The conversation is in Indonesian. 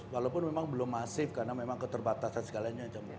walaupun memang belum masif karena memang keterbatasan segalanya